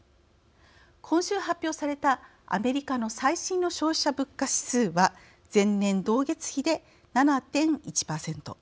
今週、発表されたアメリカの最新の消費者物価指数は前年同月比で７．１％。